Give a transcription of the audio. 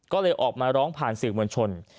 ก็เลยออกมาร้องผ่านสื่อมวลชน